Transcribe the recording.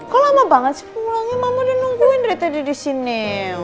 kok lama banget sih pulangnya mama udah nungguin dari tadi disini